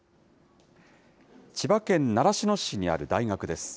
千葉県習志野市にある大学です。